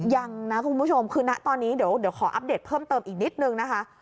ยังนะคุณผู้ชมคือนะตอนนี้เดี๋ยวขออัปเดตเพิ่มเติมอีกนิดนึงนะคะ